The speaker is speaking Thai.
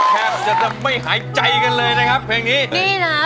กับผู้รักที่เป็นตัวของเรา